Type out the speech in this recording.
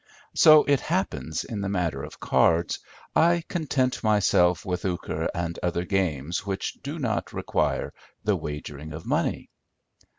So it happens, in the matter of cards, I content myself with euchre and other games which do not require the wagering of money.